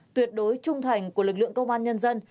tuyệt đối trung thành của lực lượng công an nhân dân